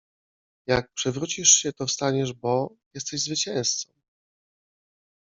Jak przewrócisz się to wstaniesz bo: jesteś zwycięzcą!